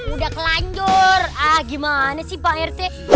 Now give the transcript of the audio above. udah kelanjur ah gimana sih pak rt